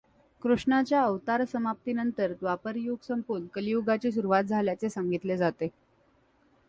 कृष्णाच्या अवतारसमाप्तीनंतर द्वापरयुग संपून कलियुगाची सुरुवात झाल्याचे सांगितले जाते.